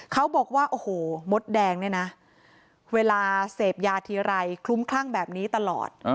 เขาบอกว่าโอ้โหมดแดงเนี่ยนะเวลาเสพยาทีไรคลุ้มคลั่งแบบนี้ตลอด